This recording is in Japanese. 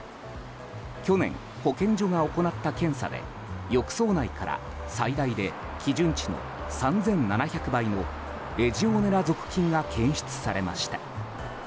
去年、保健所が行った検査で浴槽内から最大で基準値の３７００倍のレジオネラ属菌が検出されました。